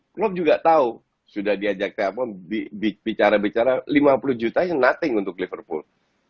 klopp juga tahu sudah diajak ke apom bicara bicara lima puluh jutaan itu nothing untuk liverpool